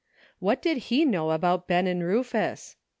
What did he know about Ben and Rufus?